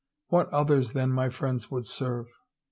What others than my friends would serve?